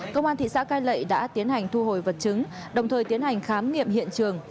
công an thị xã cai lệ đã tiến hành thu hồi vật chứng đồng thời tiến hành khám nghiệm hiện trường